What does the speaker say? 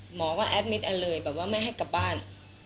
หมอก็แอดมิตรอันเลยแบบว่าไม่ให้กลับบ้าน